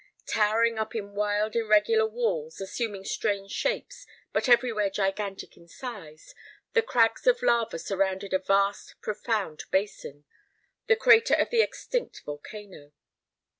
Towering up in wild, irregular walls, assuming strange shapes, but everywhere gigantic in size, the crags of lava surrounded a vast, profound basin, the crater of the extinct volcano.